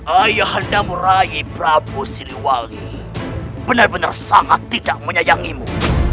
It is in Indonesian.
ayahandamu rai prabu siliwangi benar benar sangat tidak menyayangimu